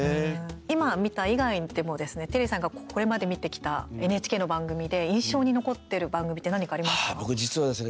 今、見た以外にもですねテリーさんがこれまで見てきたＮＨＫの番組で、印象に残ってる番組って何かありますか。